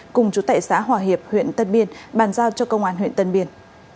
cùng chủ tệ xã hòa hiệp huyện tân biên bàn giao cho công an huyện tân biên